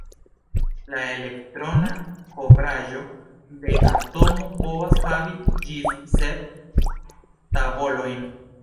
La elektrona kovraĵo de atomo povas havi ĝis sep tavolojn.